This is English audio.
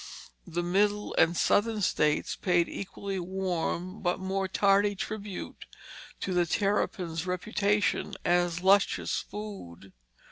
The Middle and Southern states paid equally warm but more tardy tribute to the terrapin's reputation as luscious food.